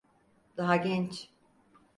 Daha genç.